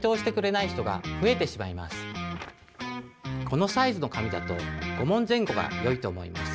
このサイズの紙だと５問前後がよいと思います。